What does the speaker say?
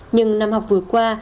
nhưng năm học vừa qua